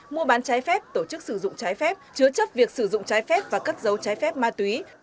mua bán trái phép tổ chức sử dụng trái phép chứa chấp việc sử dụng trái phép và cất dấu trái phép ma túy